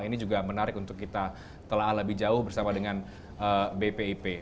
ini juga menarik untuk kita telah lebih jauh bersama dengan bpip